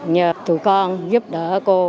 nhờ tụi con giúp đỡ cô